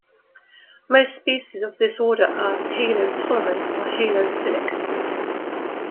Most species of this order are halotolerant or halophilic.